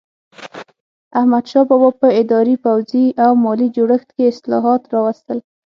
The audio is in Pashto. احمدشاه بابا په اداري، پوځي او مالي جوړښت کې اصلاحات راوستل.